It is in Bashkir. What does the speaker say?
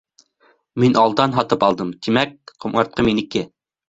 Мин алдан һатып алдым, тимәк, ҡомартҡы минеке!